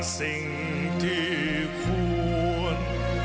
สิ่งที่ควร